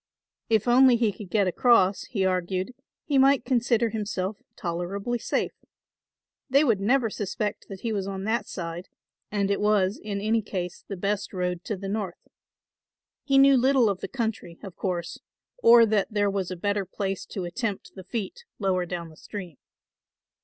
If only he could get across, he argued, he might consider himself tolerably safe. They would never suspect that he was on that side and it was in any case the best road to the North. He knew little of the country, of course, or that there was a better place to attempt the feat lower down the stream.